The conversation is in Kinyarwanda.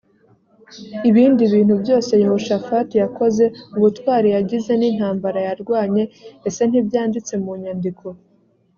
ibindi bintu byose yehoshafati yakoze ubutwari yagize n intambara yarwanye ese ntibyanditse munyandiko